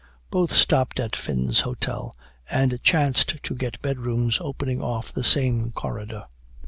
Both stopped at Finn's Hotel, and chanced to get bedrooms opening off the same corridor.